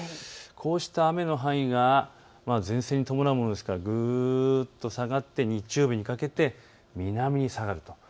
こうした雨の範囲が前線に伴うものですから、ぐーっと下がって日曜日にかけて南に下がると。